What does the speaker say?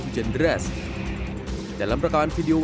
berapa meter kurang lebih